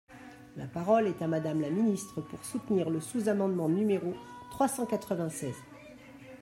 La parole est à Madame la ministre, pour soutenir le sous-amendement numéro trois cent quatre-vingt-seize.